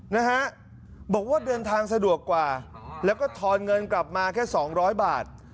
นะฮะบอกว่าเดินทางสะดวกกว่าแล้วก็ทอนเงินกลับมาแค่สองร้อยบาท